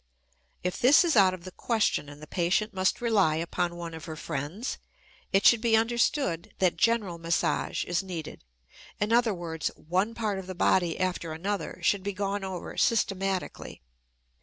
If this is out of the question and the patient must rely upon one of her friends, it should be understood that "general massage" is needed; in other words, one part of the body after another should be gone over systematically.